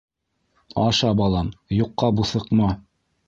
Аша, балам, юҡҡа буҫыҡма.